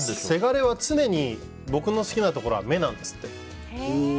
せがれは常に僕の好きなところは目なんですって。